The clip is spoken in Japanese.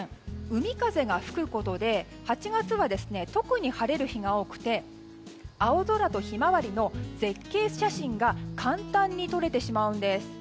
海風が吹くことで８月は特に晴れるところが多くて青空とヒマワリの絶景写真が簡単に撮れてしまうんです。